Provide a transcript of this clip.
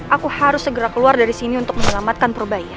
aku harus segera keluar dari sini untuk menyelamatkan purbaya